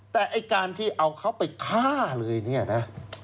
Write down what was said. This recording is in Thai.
แต่การที่เอาเขาไปฆ่าเลยนะ